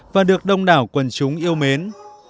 và được đông đảo quần chúng yêu mến